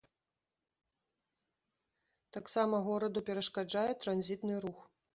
Таксама гораду перашкаджае транзітны рух.